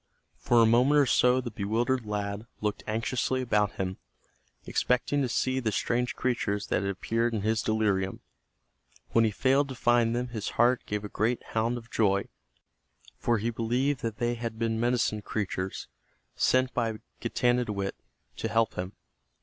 For a moment or so the bewildered lad looked anxiously about him, expecting to see the strange creatures that had appeared in his delirium. When he failed to find them his heart gave a great hound of joy, for he believed that they had been medicine creatures sent by Getanittowit to help him.